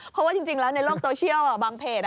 เพราะว่าจริงแล้วในโลกโซเชียลบางเพจ